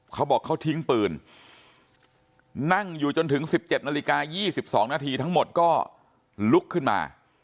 เขาบอกเขาทิ้งปืนนั่งอยู่จนถึง๑๗นาฬิกา๒๒นาทีทั้งหมดก็ลุกขึ้นมา